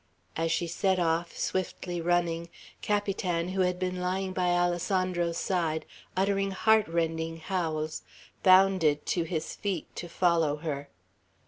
As she set off, swiftly running, Capitan, who had been lying by Alessandro's side, uttering heart rending howls, bounded to his feet to follow her.